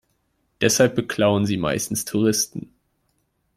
Deshalb beklauen sie meistens Touristen.